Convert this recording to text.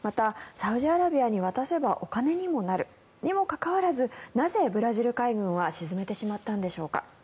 サウジアラビアに渡せばお金にもなるにもかかわらずなぜブラジル海軍は沈めてしまったのでしょうか。